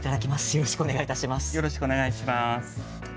よろしくお願いします。